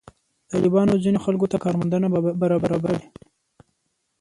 طالبانو ځینو خلکو ته کار موندنه برابره کړې.